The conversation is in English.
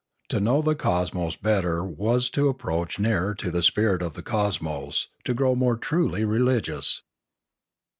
To know the cosmos better was to ap proach nearer to the spirit of the cosmos, .to grow more truly religious.